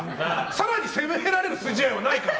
更に責められる筋合いはないから。